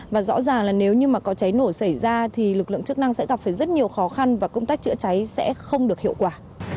và rõ ràng là nếu như mà có cháy nổ xảy ra thì lực lượng chức năng sẽ gặp phải rất nhiều khó khăn và công tác chữa cháy sẽ không được hiệu quả